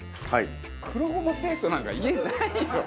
黒ごまペーストなんか家にないよ。